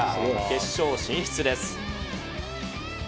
決勝進出です。